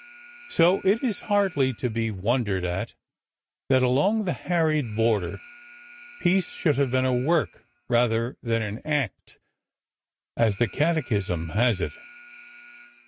So it is hardly to be wondered at that along the harried border peace should have been a work " rather than an '' act," as the catechism has it.